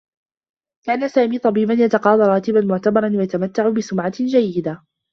كان سامي طبيبا يتقاضى راتبا معتبرا و يتمتّع بسمعة جيّدة.